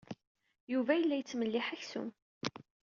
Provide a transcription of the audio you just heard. Yuba yella yettmelliḥ aksum.